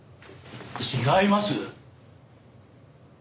違います！